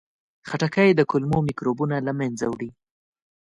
خټکی د کولمو میکروبونه له منځه وړي.